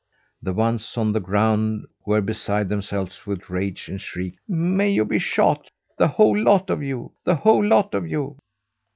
The ones on the ground were beside themselves with rage and shrieked: "May you be shot, the whole lot o' you! The whole lot o' you!"